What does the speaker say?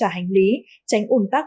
trả hành lý tránh ủn tắc